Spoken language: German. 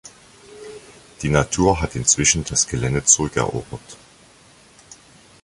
Die Natur hat inzwischen das Gelände zurückerobert.